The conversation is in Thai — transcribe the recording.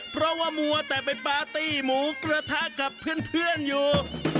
เพราะว่ามัวแต่ไปปาร์ตี้หมูกระทะกับเพื่อนอยู่